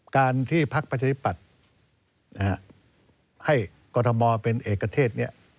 การที่พักประชาธิปัตย์ให้กรทมเป็นเอกเทศ